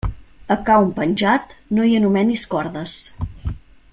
A ca un penjat, no hi anomenis cordes.